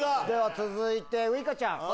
では続いて、ウイカちゃん。